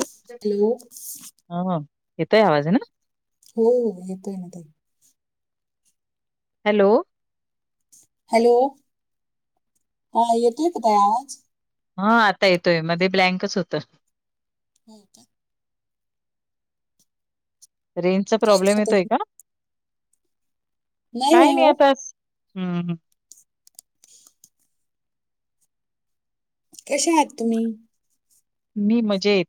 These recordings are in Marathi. हॅलो. ह येतोय आवाज आहे ना. हो येतोय ना ते हॅलो. हॅलो हा य तु पता आज हा आता येतोय मध्ये ब्लँकच होत. हो का. रेंजचा काय प्रॉब्लेम करता येतोय तुम्ही? का काय नाही आता हम् हम. कसे आहात तुम्ही? मी मजाेत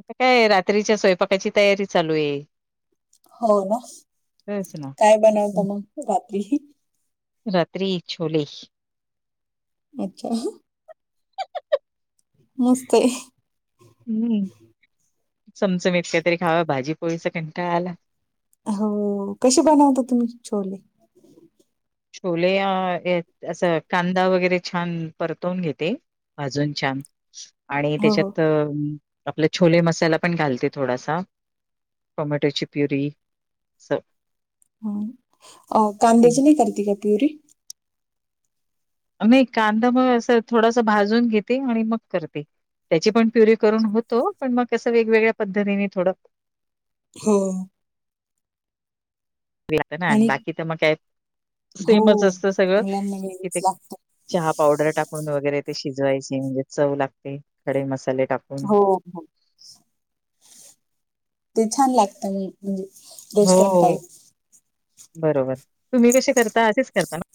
आता काय रात्रीच्या स्वयंपाकाची तयारी चालू आहे. हो ना तेच ना काय बनवत मग रात्रीही रात्री छोले अच्छा. मस्ते हम्म समचमत कातरी खाव भाजी पोळीस कण का आला. हो कसे बनवता तुम्ही छोले. छोले असं कांदा वगैरे छान परतवून घेते. अजून छान आणि हो, हो. त्याच्यात आपला छोले मसाला पण घालते थोडासा टोमॅटोची प्युरी अस हा अ कांदे ते ची नाही करत का प्युरी नाही कांदा मग असं थोडासा भाजून घेते आणि मग करते. त्याची पण प्युरी करून होतो पण मग असं वेगवेगळ्या पद्धतीने थोडं हो ना आणि बाकी तर मग काय हो. सेमच असत सगळं मुलांना वेगळंच इथे लागतं. चहा पावडर टाक ून वगैरे ते शिजवायचे म्हणजे चव लागते खडे मसाले टाकते. हो हो. ते छान लागतं म्हणजे हो रेस्टॉरंट टाईप बरोबर तुम्ही कसे करता असेच करताना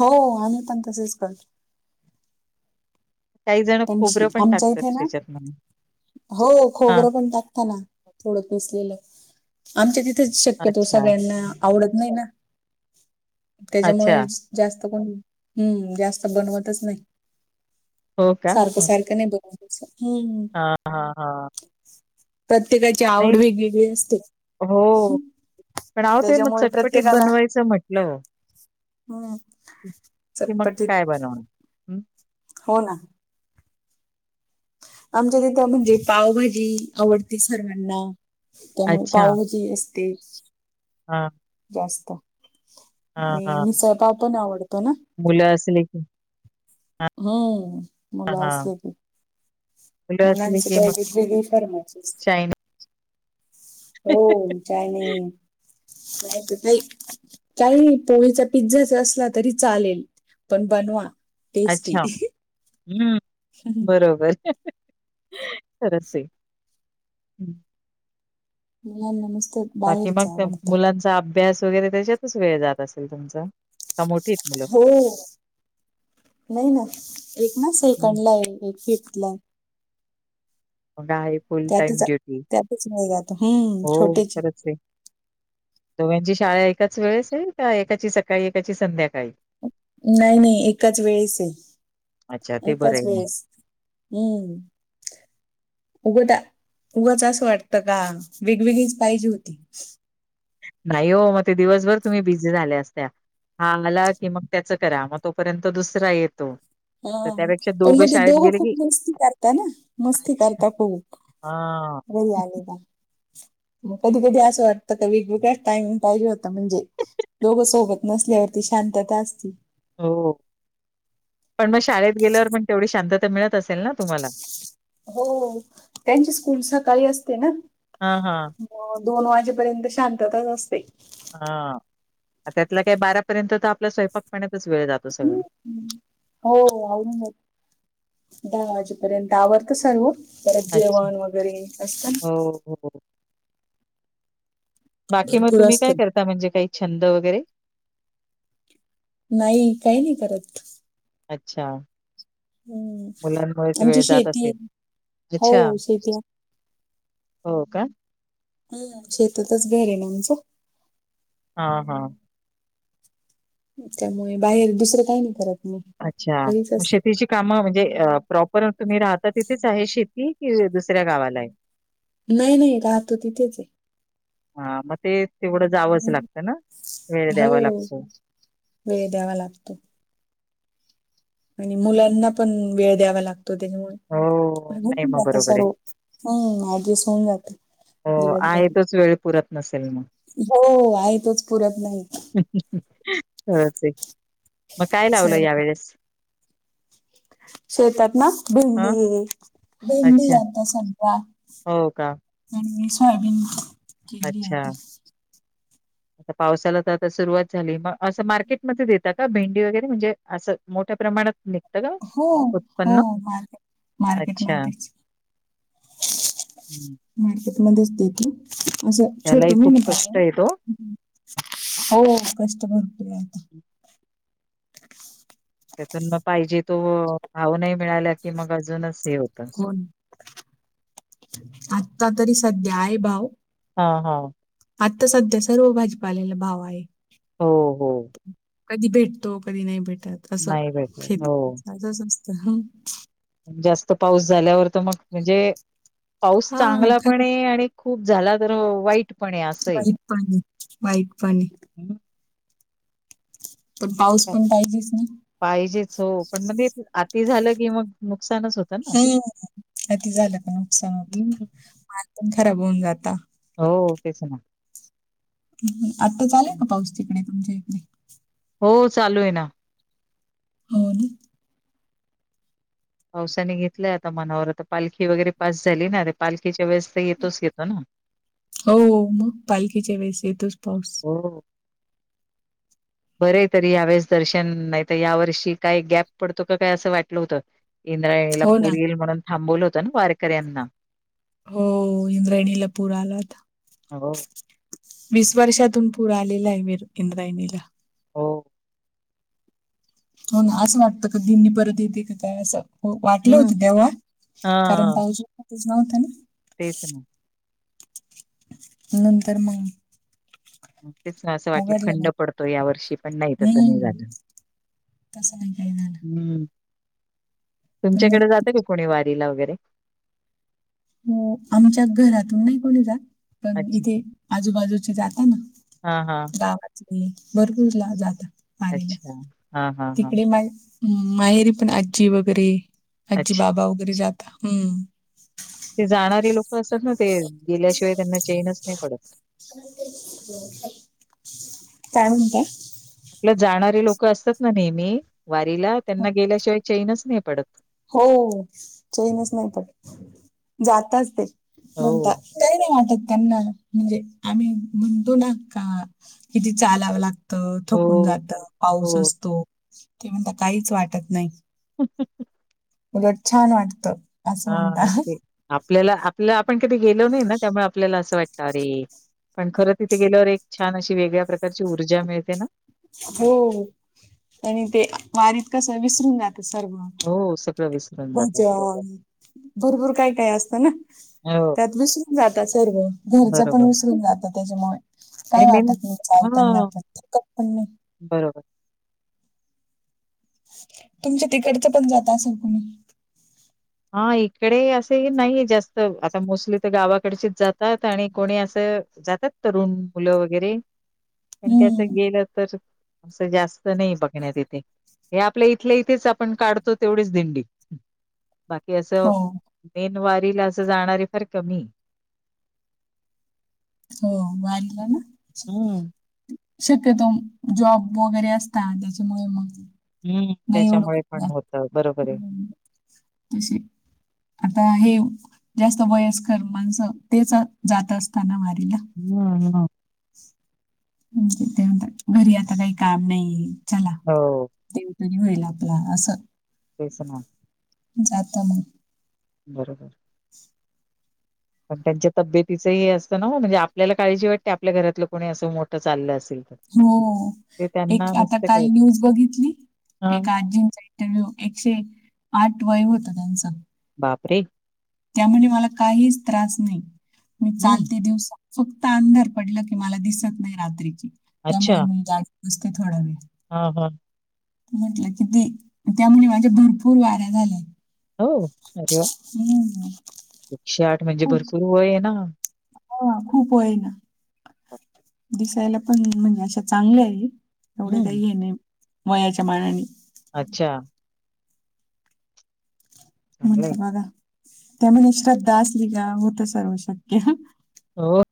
हो आम्ही पण तसेच करतो. काही जण श- खोबरं पण आमच्या टाकतात इथे ना त्याच्यात म हो खोबरं पण टाकता ना थोडं पिसलेलं.. आमच्या तिथेच शक्यतो अच्छा, सगळ्यांना आवडत नाही ना अच्छा त्याच्यामुळे जास्त कोण हम्म जास्त बनवतच नाही. हो का? सारक सरक नाही बोल हम् हा हा हा प्रत्येकाची आवड वेगेगळी असते. हो पण ह ते मग त्याच्यामुळे चटपटीत प्रत्येकाला बनवायचं म्हटलं हम्म क मग चटपटीत काय बनवनार. हो ना आमच्या तिथे म्हणजे पावभाजी आवडते सर्वांना त्यामुळे पावभजी असते. हा जास्त आणि हां. मिसळपाव पण आवडतो ना मुलं असले की, हम्म हां, मलाज हां. मुलं असली मुलाचा की मग काही वेगळं फर्माईश असते. चायनीज. हो काय नाहीयच काही. काही पोळीचा पिझ्झाचा असला तरी चालेल पण बनवा. टेस्टी. अच्छा हम् बरोबर खरच आहे. हं. मुलाना नुसतं बाकी बाहेरच मग आवडतं. मुलांचा अभ्यास वगैरे त्याच्यातच वेळ जात असेल तुमचा का मोठीये मुलं हो नाही ना एक ना हं. सेकंड ला आहे एक फिफ्थ ला आहे. मग आहे फुल टाईम त्यातच ड्युटी त्यातच वेळ जातो हम्म हो छोटेचे खरंच आहे. दोघांची शाळा एकाच वेळेस आहे का एकाची सकाळी एकाची संध्याकाळी. नाही नाही एकाच वेळेस अच्छा, आहे ते बरं एकाच आहे मग. वेळेस हम्म उगं त्या उगाच असं वाटतं का वेगवेगळीच पाहिजे होती. नाही हो मग ते दिवसभर तुम्ही बिझी झाल्या असत्या. ह आला की मग त्याच करा मग तोपर्यंत दुसरा येतो. हा तर त्यापेक्षा पण मग ते शाळेत दोघं गेले खूप की मस्ती करता ना मस्ती अच्छा करता खूप हा रहियाली का. मग कधी कधी असं वाटतं का वेगवेगळ्या टाईम पाहिजे होता म्हणजे दोघे सोबत नसल्यावरती शांतता असती. हो पण मग शाळेत गेल्यावर पण तेवढी शांतता मिळत असेल ना तुम्हाला, हो त्यांची स्कूल सकाळी असते ना, हां हां अ दोन वाजेपर्यंत शांतताच असते हा त्यातला काही बारापर्यंत तर आपला स्वयंपाक पाण्यातच वेळ जातो सगळं हम्म. हो दोन वाजेपर्यंत आवरत सर्व परत अच्छा जेवाण वगैरे असत ना हो हो हो बाकी मग भरपूर तुम्ही काय असतात करता म्हणजे काही छंद वगैरे नाही काही नाही करत अच्छा हम्म मुलांमुळेच आमची वेळ जात शेती असेल आहे. हो अच्छा शेती हो का हम् शेतातच घरेन आमचं हा हा त्यामुळे बाहेर दुसरं काही नाही करत मी अच्छा घरीच मग असते शेतीची काम म्हणजे प्रॉपर तुम्ही राहता तिथेच आहे शेती कि दुसऱ्या गावाला आहे नाही नाही राहतो तिथेच आहे हा मग ते तेवढं जावंच हम्म. लागतं ना वेळ हो द्यावा लागतो वेळ द्यावा लागतो आणि मुलांना पण वेळ द्यावा लागतो, त्याच्यामुळे हो, नाही मग जात बरोबर आहे. सर्व हम ऍडजस्ट होऊन जाते हो आहे तोच वेळ पुरत नसेल मग हो आहे तोच पुरत नाही खरच आहे मग काय लावलंय सर्व या वेळेस शेतात ना भेंडी हं, ये भेंडी अच्छा. आता सध्या हो का हम् सोयाबीन केली अच्छा आता आता पावसाला तर आता सुरुवात झाली मग असं मार्केटमध्ये देतात का भेंडी वगैरे म्हणजे असं मोठ्या प्रमाणात निघ निघत का हो हो उत्पन्न मार्केट अच्छा मार्केटमध्येच हम्म मार्केटमध्येच देतो असं छोट त्यालाही म खूप ना का कष्ट आहेत ओ. हो कष्ट भरतो आता त्यातून मग पाहिजे तो भाव नाही मिळाला की मग अजूनच हे होतं हो आता तरी सध्या आहे भाव हा हा आता सध्या सर्व भाजीपाल्याला भाव आहे हो हो कधी भेटतो कधी नाही भेटत असं नाही भेटत. हो. शेतकरी स्वस्त जास्त पाऊस झाल्यावर तर मग म्हणजे पाऊस हा चांगला पण खरंच आहे आणि खूप झाला तर वाईटपणे असंय वाईट पाणी वाईट पाणी हम् [unintelligible] पण पाऊस पण पाहिजेच ना पाहिजेच हो पण म्हणजे अती झालं की मग नुकसानच होत हम्म अती झालं का नुकसान होत हं. माल पण खराब होऊन जाता हो तर आहे ना आत्ता चालू आहे हं. का पाऊस तिकडे तुमच्या इकडे हो चालू आहे ना होन पावसाने घेतलंय आता मनावर आता पालखी वगैरे पास झाली ना ते पालखीच्या वेळेस तर येतोच घेतो ना हो हो मग पालखीच्या वेळेस येतोच पाऊस हो बरं तरी या्यावेेळेस दर्शन नाही तर या वर्षी काय गॅप पडतो का काय असं वाटलं होतं इंद्रायला हो पुूर ना येईल म्हणून थांबवलं होतं ना वारकऱ्यांना हो इंद्राणीला पूर आलात हो वीस वर्षातून पूर आलेला आहेर इंद्रायणीला हो हो असं वाटतं का दिननी परत येते का काय असं हो वाटलं हम्म होतं तेव्हा कारण पाऊजच नव्हतं ना तेसण नंतर मग तेच ना असं वाटलं उघडला खंड मग पडतो या वर्षी पण नाही तसं नाही हम्म झालं तसं नाही काही झालं हम्म पण तुमच्याकडे जात का कोणी वारीला वगैरे हो आमच्या घरातून नाही कोणी जात पण अच्छा इथे आजूबाजूचे जाता ना हा हा गाव भरपूरला जात मारीला अच्छा हा हा हा तिकडे मा हम् माहेरी पण आजी वगैरे आजी अच्छा बाबा वगैरे जाता हम्म ते जाणारे लोक असतात ना ते गेल्याशिवाय त्यांना ैनच नाही पडत काय म्हण का आपलं जाणारे लोक असतात ना नेहमी वारीला त्यांना गेल्याशिवाय चैनच नाही पडत हो चैनच नाही पण जाताच ते हो. म्हणताात काही नाही वाटत त्यांना म्हणजे आम्ही म्हणतो ना का किती चालावं लागत थकून हो, जात पाऊस हो. असतो ते म्हण काहीच वाटत नाही ख उलट छान वाटतं हा ते आपल्याला आपल्या आपण कधी गेलो नाही ना त्यामुळे आपल्याला असं वाटत अरे पण खरं तिथे गेल्यावर एक छान अशी वेगळ्या प्रकारची ऊर्जा मिळते ना हो आणि ते वारीत कस विसरून जात सर्व हो सगळं विस भज भरपूर काय काय असतं ना हो, त्यात विसरून जातात सर्व घरचं पण बरोबर विसरून जातं त्याच्यामुळे काय आणि मेन वाटत नाही चालताना हां, पण मी बरोबर तुमच्या तिकडचं पण जात असं कुणी हा इकडे असे नाही जास्त आता मोस्टली तर गावाकडचीच जातात आणि कोणी असं जातात तरुण मुलं वगैरे पण त्याच हम्म गेलं तर असं जास्त नाही बघण्यात येथे हे आपल्या इथल्या इथेच आपण काढतो तेवढेच दिंडी बाकी असं हो मेनवारीला असं जाणारे फार कमी हो वाारला ना हम्म शक्यतो जॉब वगैरे असता त्याच्यामुळे मग हम्म नाही एवढं त्याच्यामुळे पण होत बरोबर आहे अशी आता हे जास्त वयस्कर माणसं तेच जात असताना वारीला हम ह म्हे ते म्हणतात घरी आता काही काम नाही चला हो देवतनी होईल आपला असं तेस ना जाता मग बरोबर [inaudible] पण त्यांच्या तब्येतीच हे असतं ना म्हणजे आपल्याला काळजी वाटते आपल्या घरातलं कोणी असं मोठं चाललं असल हो एक आता काल न्यूज बघितली हा, एक आजीं जा त्या एकशे आठ वय होत त्यांचं बापरे त्यामध्ये मला काहीच त्रास नाही मी हम्म. चालते दिवस फक्त अंधार पडलं की मला दिसत नाही रात्रीची अच्छा त्यामुळे मी गडी बसते थोडा वेळ हा हा म्हटलं कि ते त्यामुळे माझ्या भरपूर वाऱ्या झाल्याय होरे एकशे आठ म्हणजे खूप भरपूर वय आहे ना हा खूप वय ना हो दिसायला पण म्हणजे अशा चांगल्या आहे एवढे हम्म. काही हे नाही वयाच्या मानाने अच्छा चांगलंय म्हणट बघा त्यामुळे श्रद्धा असली का होत सर्व शक्य हो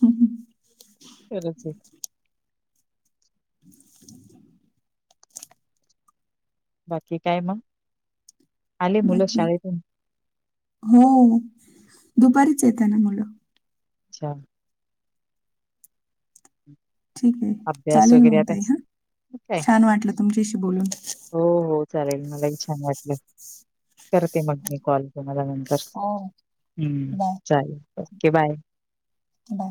हम् हम फरची बाकी काय मग आले मुलं बाकी शाळेतून हो दुपारीच येत ना मुलं अच्छा ठीक आहे अभ्यास चालेल वगैरे आता ममताई हा ठीक आहे. छान वाटलं तुमच्याशी बोलून हो हो चालेल मलाही छान वाटलं करते मग मी कॉल मला हो ् बाय चालेल ओके बाय बाय